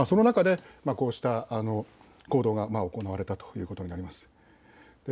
その中でこうした行動が行われたということになります。